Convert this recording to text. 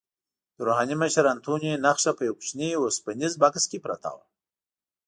د روحاني مشر انتوني نخښه په یوه کوچني اوسپنیز بکس کې پرته وه.